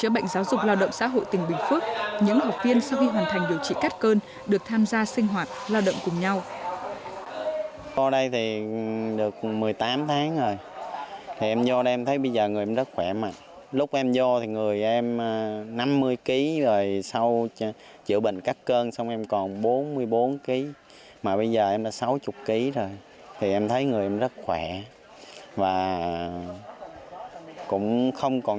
buổi sáng tại trung tâm chữa bệnh giáo dục lao động xã hội tỉnh bình phước những học viên sau khi hoàn thành điều trị cắt cơn